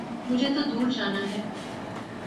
مجھے تو دور جانا ہے